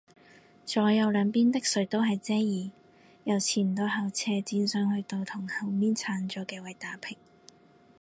左右兩邊的水都係遮耳，由前到後斜剪上去到同後面剷咗嘅位打平